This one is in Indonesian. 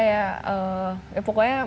ya pokoknya makan selama lamanya